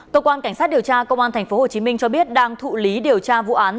cơ quan cảnh sát điều tra công an thành phố hồ chí minh cho biết đang thụ lý điều tra vụ án